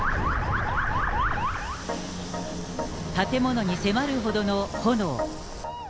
建物に迫るほどの炎。